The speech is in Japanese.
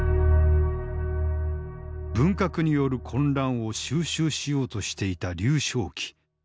文革による混乱を収拾しようとしていた劉少奇。